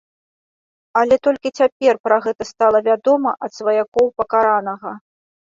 Але толькі цяпер пра гэта стала вядома ад сваякоў пакаранага.